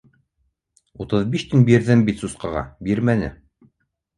Утыҙ биш тин бирҙем бит сусҡаға, бирмәне.